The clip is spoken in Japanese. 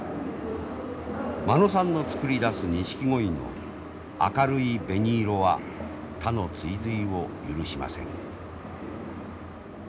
間野さんの作り出すニシキゴイの明るい紅色は他の追随を許しません。